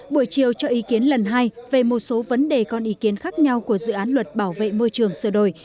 buổi chiều cho ý kiến lần hai về một số vấn đề còn ý kiến khác nhau của dự án luật bảo vệ môi trường sửa đổi